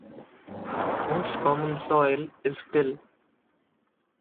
Most common soil is till.